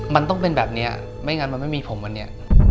มันต้องเป็นแบบนี้ไม่งั้นมันไม่มีผมวันนี้